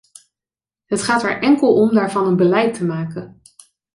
Het gaat er enkel om daarvan een beleid te maken.